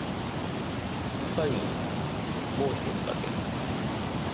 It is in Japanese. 最後にもう１つだけ。